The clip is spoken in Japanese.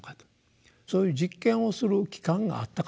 そういう「実験」をする期間があったかどうかですね。